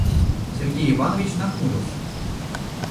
Сергей Иванович нахмурился.